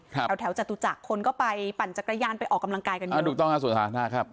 แล้วแถวจัดหูจักรที่คนก็ไปปั่นจักรยานไปออกกำลังกายกันเยอะ